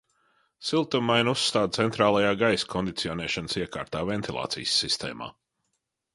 Siltummaini uzstāda centrālajā gaisa kondicionēšanas iekārtā, ventilācijas sistēmā.